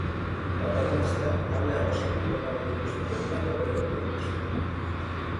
Datorren astean talde arrosatik bota nahi dituzten lagunak aukeratuko dituzte.